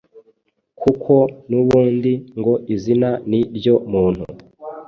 kuko n’ubundi ngo izina ni ryo muntu